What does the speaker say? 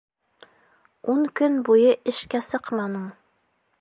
Ун көн буйы эшкә сыҡманың.